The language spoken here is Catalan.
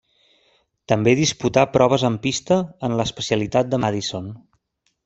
També disputà proves en pista, en l'especialitat de Madison.